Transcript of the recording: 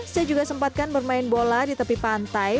saya juga sempatkan bermain bola di tepi pantai